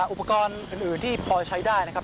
อุปกรณ์อื่นที่พอใช้ได้นะครับ